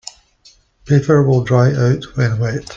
Paper will dry out when wet.